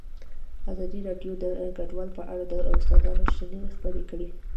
ازادي راډیو د کډوال په اړه د استادانو شننې خپرې کړي.